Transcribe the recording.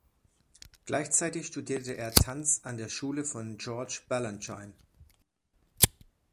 Gleichzeitig studierte er Tanz an der Schule von George Balanchine.